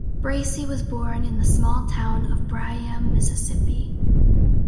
Bracey was born in the small town of Byram, Mississippi.